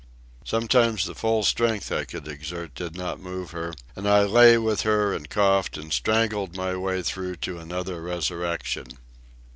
Sometimes the full strength I could exert did not move her, and I lay with her and coughed and strangled my way through to another resurrection.